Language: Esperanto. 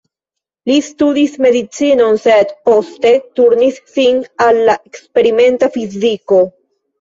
Li studis medicinon, sed poste turnis sin al la eksperimenta fiziko.